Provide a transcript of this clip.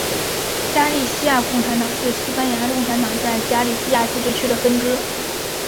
加利西亚共产党是西班牙共产党在加利西亚自治区的分支。